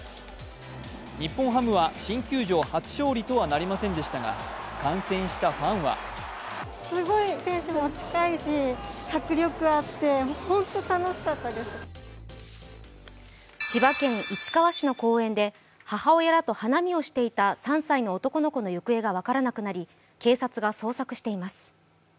日本ハムは新球場初勝利とはなりませんでしたが観戦したファンは千葉県市川市の公園で母親らと花見をしていた３歳の男の子の行方が分からなくなり警察が捜索しています。